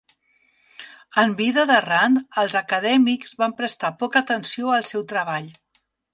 En vida de Rand, els acadèmics van prestar poca atenció al seu treball.